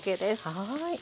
はい。